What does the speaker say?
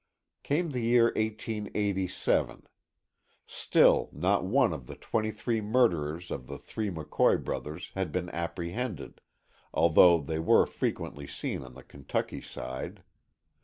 Came the year 1887. Still not one of the twenty three murderers of the three McCoy brothers had been apprehended, although they were frequently seen on the Kentucky side.